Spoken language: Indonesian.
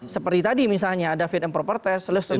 seperti tadi misalnya ada fit and proper test selesai